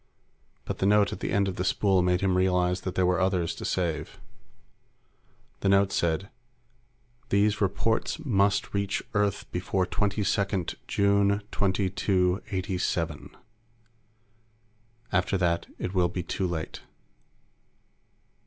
But the note at the end of the spool made him realize that there were others to save. The note said: _These reports must reach Earth before 22 June 2287. After that, it will be too late.